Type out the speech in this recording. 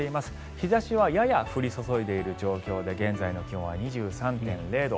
日差しはやや降り注いでいる状況で現在の気温は２３．０度。